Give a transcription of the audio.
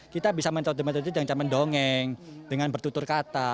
kita bisa mencoba dengan cara mendongeng dengan bertutur kata